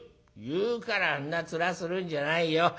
言うからそんな面するんじゃないよ。